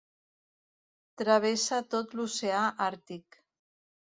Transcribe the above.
Travessa tot l'Oceà Àrtic.